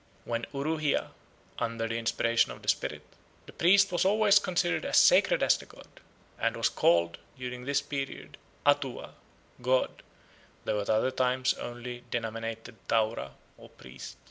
... When uruhia (under the inspiration of the spirit), the priest was always considered as sacred as the god, and was called, during this period, atua, god, though at other times only denominated taura or priest."